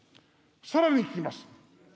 さらに聞きます。